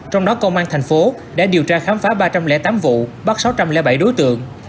trong đó công an thành phố đã điều tra khám phá ba trăm linh tám vụ bắt sáu trăm linh bảy đối tượng